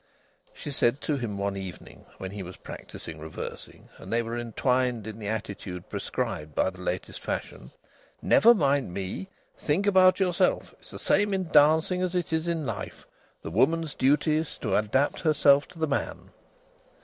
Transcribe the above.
She said to him one evening, when he was practising reversing and they were entwined in the attitude prescribed by the latest fashion: "Never mind me! Think about yourself. It's the same in dancing as it is in life the woman's duty is to adapt herself to the man."